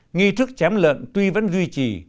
nghi thức chém lợn tuy vẫn duy trì